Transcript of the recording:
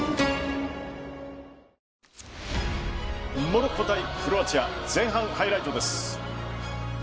モロッコ対クロアチア前半ハイライトです。